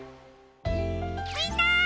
みんな！